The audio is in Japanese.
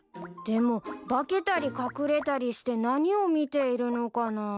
でも化けたり隠れたりして何を見ているのかな？